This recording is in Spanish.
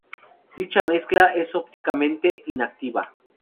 Dicha mezcla es ópticamente inactiva.